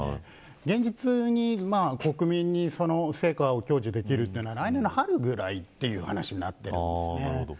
現実に国民に成果を享受できるというのは来年の春ぐらいという話になっているんです。